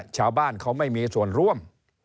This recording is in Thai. ชาวบ้านเขาไม่มีส่วนร่วม